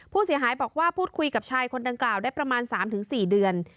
ผู้เสียหายบอกว่าพูดคุยกับชายคนดังกล่าวได้ประมาณ๓๔เดือน